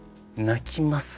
「泣きます」？